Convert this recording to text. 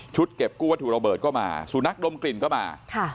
เก็บกู้วัตถุระเบิดก็มาสุนัขดมกลิ่นก็มา